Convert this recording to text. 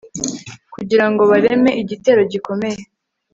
kugira ngo bareme igitero gikomeye